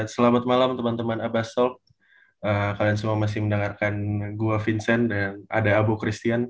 selamat malam teman teman abasok kalian semua masih mendengarkan gua vincent dan ada abu christian